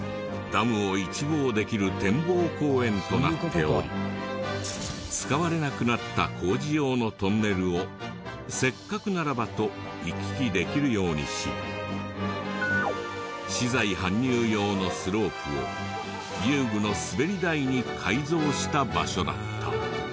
ダムを一望できる展望公園となっており使われなくなった工事用のトンネルをせっかくならばと行き来できるようにし資材搬入用のスロープを遊具のスベリ台に改造した場所だった。